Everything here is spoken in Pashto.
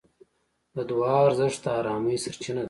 د دعا ارزښت د ارامۍ سرچینه ده.